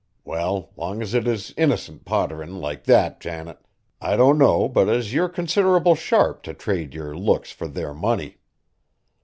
Well, long as it is innercent potterin' like that, Janet, I don't know but as yer considerable sharp t' trade yer looks fur their money.